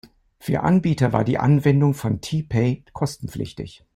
Für Anbieter war die Anwendung von T-Pay kostenpflichtig.